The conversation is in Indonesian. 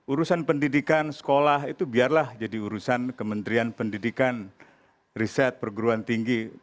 urusan pendidikan sekolah itu biarlah jadi urusan kementerian pendidikan riset perguruan tinggi